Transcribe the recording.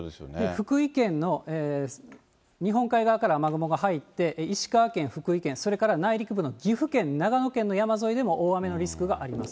福井県の日本海側から雨雲が入って、石川県、福井県、それから内陸部の岐阜県、長野県でも大雨のリスクがあります。